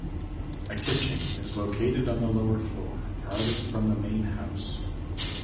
A kitchen is located on the lower floor farthest from the main house.